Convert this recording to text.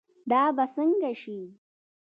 دا به سنګه شي